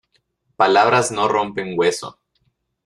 Palabras no rompen hueso.